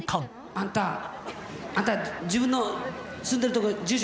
あんた、あんた自分の住んでるとこ、住所、